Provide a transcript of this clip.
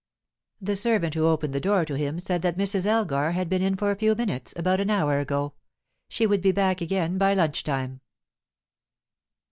The servant who opened the door to him said that Mrs. Elgar had been in for a few minutes, about an hour ago; she would be back again by lunch time.